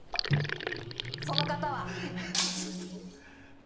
その方は？